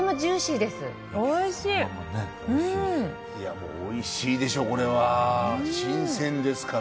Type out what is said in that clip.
もうおいしいでしょこれは。